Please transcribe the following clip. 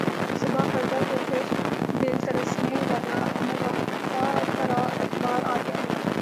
صبح فردا کو پھر دل ترسنے لگا عمر رفتہ ترا اعتبار آ گیا